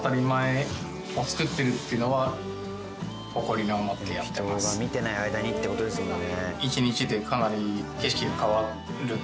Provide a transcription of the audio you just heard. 人が見てない間にっていう事ですもんね。